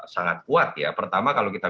sangat kuat ya pertama kalau kita